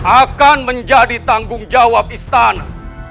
akan menjadi tanggung jawab istana